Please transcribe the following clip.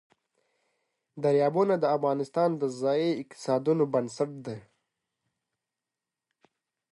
دریابونه د افغانستان د ځایي اقتصادونو بنسټ دی.